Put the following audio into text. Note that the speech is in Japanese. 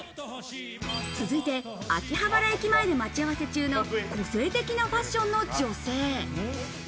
続いて、秋葉原駅前で待ち合わせ中の個性的なファッションの女性。